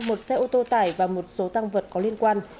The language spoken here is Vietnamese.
một xe ô tô tải và một số tăng vật có liên quan